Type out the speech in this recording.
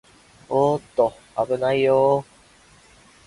おーっと、あぶないよー